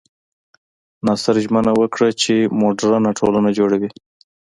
ناصر ژمنه وکړه چې موډرنه ټولنه جوړوي.